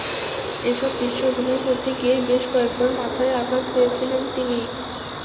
এসব দৃশ্যে অভিনয় করতে গিয়েই বেশ কয়েকবার মাথায় আঘাত পেয়েছিলেন তিনি।